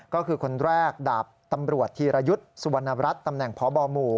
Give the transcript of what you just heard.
ก็คือคนแรกดาบตำรวจธีรยุทธ์สุวรรณรัฐตำแหน่งพบหมู่